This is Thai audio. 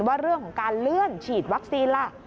ว่าเรื่องของการเลื่อนฉีดวัคซีนล่ะ